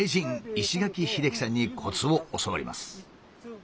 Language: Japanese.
石垣英基さんにコツを教わります。